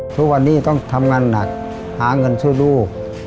ทุกวันนี้ต้องทำงานหนักหาเงินสู้ลูก